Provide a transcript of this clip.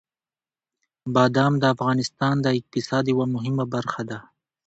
بادام د افغانستان د اقتصاد یوه مهمه برخه ده.